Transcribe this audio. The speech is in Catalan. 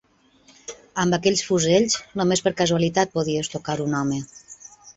Amb aquells fusells només per casualitat podies tocar un home.